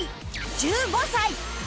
１５歳